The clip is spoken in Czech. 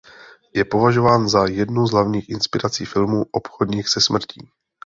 Je považován za jednu z hlavních inspirací filmu "Obchodník se smrtí".